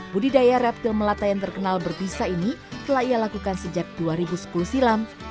budidaya reptil melata yang terkenal berbisa ini telah ia lakukan sejak dua ribu sepuluh silam